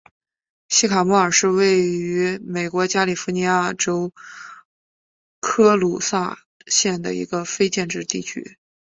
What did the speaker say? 西卡莫尔是位于美国加利福尼亚州科卢萨县的一个非建制地区。